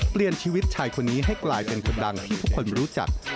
เปลี่ยนชีวิตชายคนนี้ให้กลายเป็นคนดังที่ทุกคนรู้จัก